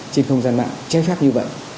trên không gian mạng chế phép như vậy